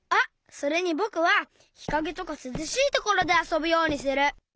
それにぼくはひかげとかすずしいところであそぶようにする。